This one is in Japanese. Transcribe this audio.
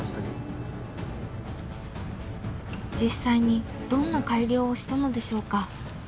実際にどんな改良をしたのでしょうか？